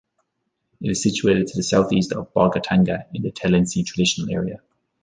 It is situated to the south-east of Bolgatanga, in the Tallensi Traditional Area.